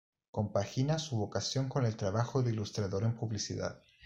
Compagina su vocación con el trabajo de ilustrador en publicidad.